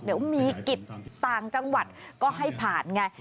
เดี๋ยวมีกิจต่างจังหวัดก็ให้ผ่านไง